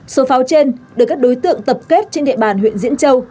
số pháo trên được các đối tượng tập kết trên địa bàn huyện diễn châu